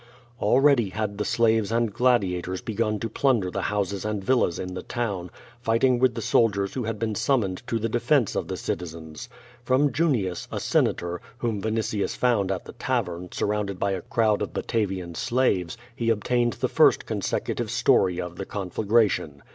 Already had the slaves and gladiators begun to plunder the houses and villas in the town, fighting with the soldiers who had been summoned to the defence of the citizens. From Junius, a Senator, whom Vinitius found at the tavern, surrounded by a crowd of Batavian slaves, he obtained the first consecutive story of the conflagration.